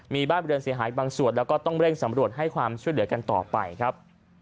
มีบ้านบริเวณเสียหายบางส่วนแล้วก็ต้องเร่งสำรวจให้ความช่วยเหลือกันต่อไปครับ